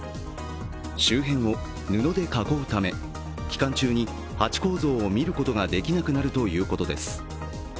周辺を布で囲うため、期間中にハチ公像を見ることができなくなるということです。